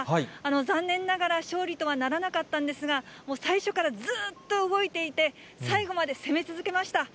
残念ながら勝利とはならなかったんですが、もう最初からずっと動いていて、最後まで攻め続けました。